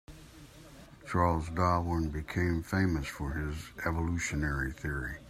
Charles Darwin became famous for his evolutionary theory.